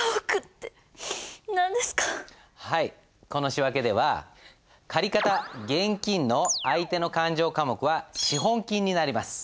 この仕訳では借方現金の相手の勘定科目は資本金になります。